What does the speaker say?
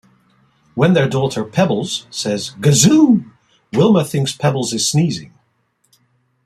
When their daughter, Pebbles, says "Gazoo," Wilma thinks Pebbles is sneezing.